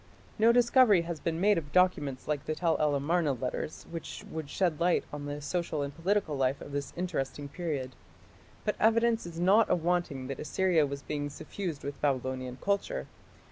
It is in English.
No discovery has been made of documents like the Tell el Amarna "letters", which would shed light on the social and political life of this interesting period. But evidence is not awanting that Assyria was being suffused with Babylonian culture.